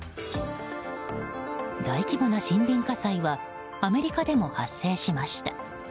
大規模な森林火災はアメリカでも発生しました。